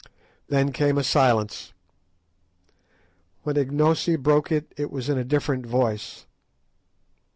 Then came a silence. When Ignosi broke it, it was in a different voice.